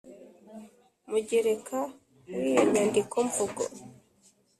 Mugereka w iyo nyandikomvugo